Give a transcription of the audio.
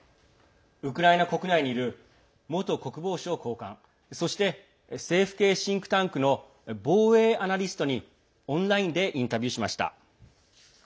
ウクライナ国内にいる元国防省高官そして、政府系シンクタンクの防衛アナリストにオンラインでインタビューしました。